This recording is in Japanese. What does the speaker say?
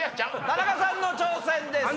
田中さんの挑戦です。